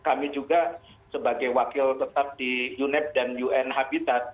kami juga sebagai wakil tetap di unep dan un habitat